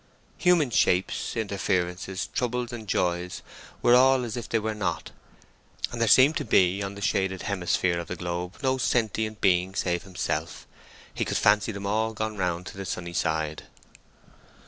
Human shapes, interferences, troubles, and joys were all as if they were not, and there seemed to be on the shaded hemisphere of the globe no sentient being save himself; he could fancy them all gone round to the sunny side.